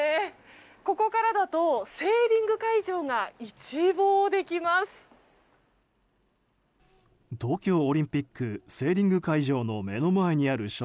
ここからだとセーリング会場が一望できます。